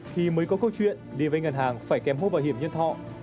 khi mới có câu chuyện đi về ngân hàng phải kèm mua bảo hiểm nhân thọ